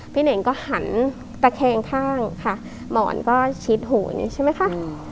เน่งก็หันตะแคงข้างค่ะหมอนก็ชิดหูอย่างนี้ใช่ไหมคะ